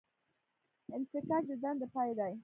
انفکاک د دندې پای دی